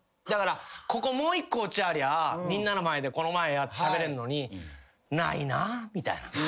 だからここもう一個オチありゃみんなの前でしゃべれんのにないなぁみたいな。